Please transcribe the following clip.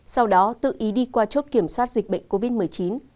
sau đó tự ý đi qua chốt kiểm soát dịch bệnh covid một mươi chín